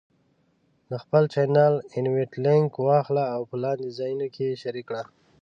د خپل چینل Invite Link واخله او په لاندې ځایونو کې یې شریک کړه: